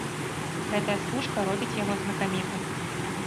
Гэтая стужка робіць яго знакамітым.